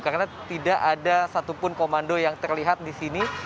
karena tidak ada satupun komando yang terlihat di sini